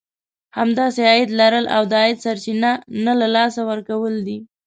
همداسې عايد لرل او د عايد سرچينه نه له لاسه ورکول دي.